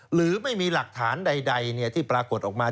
หรือไม่มีหลักฐานใดที่ปรากฏออกมา